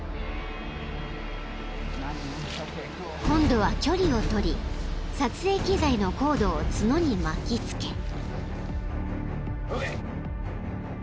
［今度は距離をとり撮影機材のコードを角に巻きつけ］